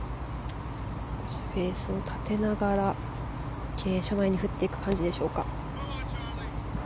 フェースを立てながら傾斜に打っていく感じでしょうか。